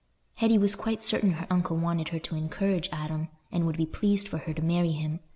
Hetty was quite certain her uncle wanted her to encourage Adam, and would be pleased for her to marry him.